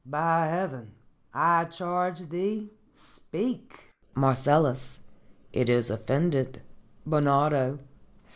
By Heaven I charge thee, speak! Marcellus. It is offended. _Bernardo.